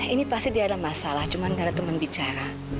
ini pasti dia ada masalah cuman gak ada teman bicara